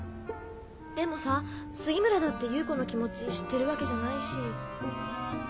でもさ杉村だって夕子の気持ち知ってるわけじゃないし。